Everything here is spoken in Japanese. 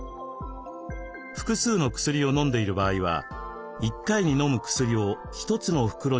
複数の薬を飲んでいる場合は１回に飲む薬を１つの袋にまとめる一包化。